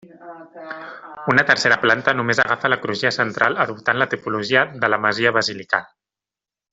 Una tercera planta només agafa la crugia central adoptant la tipologia de la masia basilical.